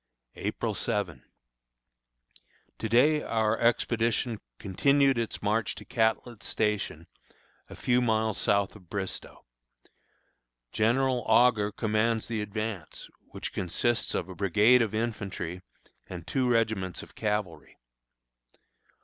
April 7. To day our expedition continued its march to Catlett's Station, a few miles south of Bristoe. General Augur commands the advance, which consists of a brigade of infantry and two regiments of cavalry.